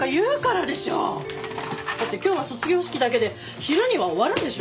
だって今日は卒業式だけで昼には終わるんでしょ？